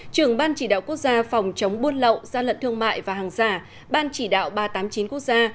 trưởng ban chỉ đạo quốc gia phòng chống buôn lậu gian lận thương mại và hàng giả ban chỉ đạo ba trăm tám mươi chín quốc gia